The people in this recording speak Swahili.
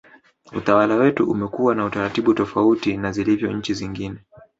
utawala wetu umekuwa na utaratibu tofauti na zilivyo nchi zingine